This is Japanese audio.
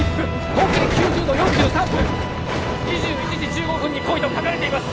「東経９０度４３分」「２１時１５分に来い」と書かれています